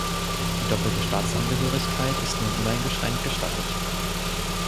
Die doppelte Staatsangehörigkeit ist nun uneingeschränkt gestattet.